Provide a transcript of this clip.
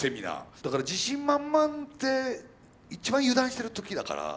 だから自信満々って一番油断してる時だからね。